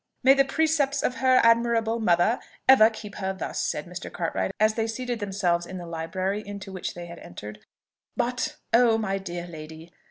"May the precepts of her admirable mother ever keep her thus!" said Mr. Cartwright, as they seated themselves in the library, into which they had entered. "But, oh! my dear lady!